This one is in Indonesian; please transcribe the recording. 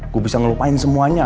gua bisa ngelupain semuanya